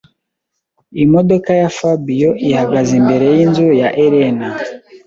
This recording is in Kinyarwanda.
Imodoka ya Fabio ihagaze imbere yinzu ya Elena.